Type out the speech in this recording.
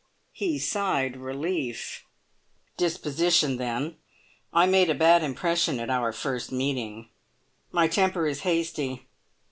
He sighed relief. "Disposition then! I made a bad impression at our first meeting. My temper is hasty.